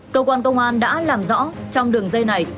cơ quan công an đã làm rõ trong đường dây này